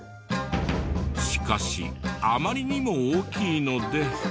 しかしあまりにも大きいので。